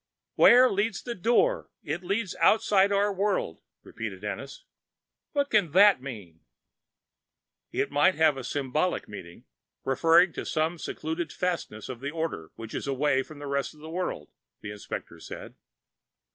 "Where leads the Door? It leads outside our world," repeated Ennis. "What can that mean?" "It might have a symbolic meaning, referring to some secluded fastness of the order which is away from the rest of the world," the inspector said.